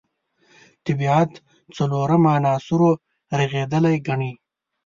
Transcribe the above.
طبیعت څلورو عناصرو رغېدلی ګڼي.